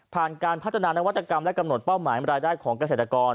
การพัฒนานวัตกรรมและกำหนดเป้าหมายรายได้ของเกษตรกร